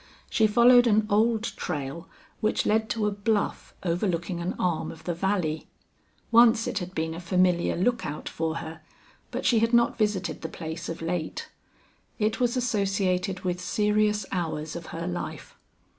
She followed an old trail which led to a bluff overlooking an arm of the valley. Once it had been a familiar lookout for her, but she had not visited the place of late. It was associated with serious hours of her life.